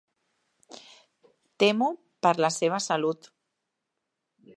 Temo per la seva salut.